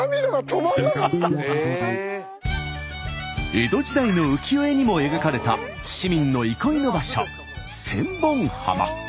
江戸時代の浮世絵にも描かれた市民の憩いの場所千本浜。